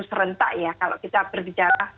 serentak ya kalau kita bergejala